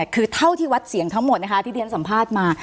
คือเท่าที่วัดเสียงทั้งหมดนะคะที่เรียนสัมภาษณ์มา